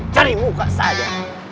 cari muka saja